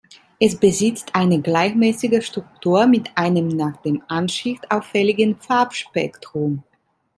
Es besitzt eine gleichmäßige Struktur mit einem nach dem Anschnitt auffälligen Farbspektrum.